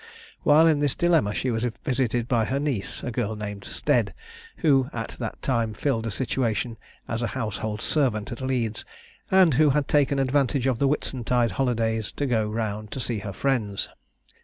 While in this dilemma, she was visited by her niece, a girl named Stead, who at that time filled a situation as a household servant at Leeds, and who had taken advantage of the Whitsuntide holidays to go round to see her friends.